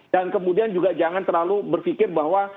dan kemudian juga jangan terlalu berpikir bahwa